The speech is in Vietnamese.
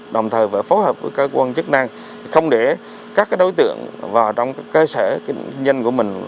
đồng thời phải phối hợp với cơ quan chức năng không để các đối tượng vào trong cơ sở kinh doanh của mình